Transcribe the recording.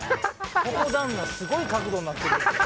すごい角度になってる。